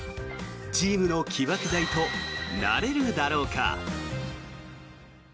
チームの起爆剤となれるだろうか。